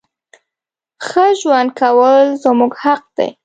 ښه ژوند کول زمونږ حق ده.